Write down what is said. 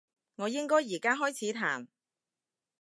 我應該而家開始彈？